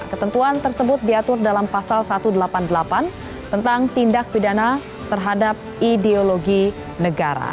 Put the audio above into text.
ketentuan tersebut diatur dalam pasal satu ratus delapan puluh delapan tentang tindak pidana terhadap ideologi negara